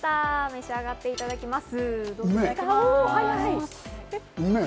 召し上がっていただきます。